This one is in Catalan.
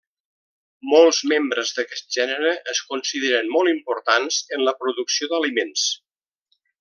Molts membres d'aquest gènere es consideren molt importants en la producció d'aliments.